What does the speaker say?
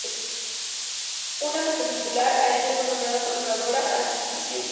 Una perpendicular a esta fue nombrada Procuradora Ascensión García.